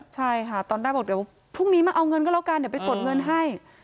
ใช่ค่ะตอนแรกบอกเดี๋ยวพรุ่งนี้มาเอาเงินก็แล้วกันเดี๋ยวไปกดเงินให้